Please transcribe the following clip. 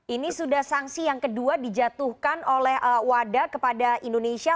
ini sudah sanksi yang kedua dijatuhkan oleh wada kepada indonesia